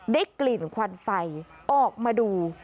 ได้กลิ่นควันไฟออกมาดู